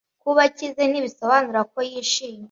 Kuba akize ntibisobanura ko yishimye